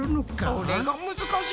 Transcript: それが難しい。